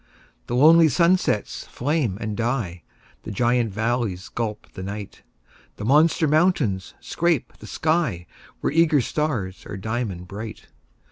The lonely sunsets flame and die; The giant valleys gulp the night; The monster mountains scrape the sky, Where eager stars are diamond bright.